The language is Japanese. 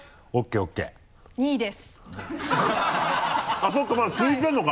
あっそうかまだ続いてるのか！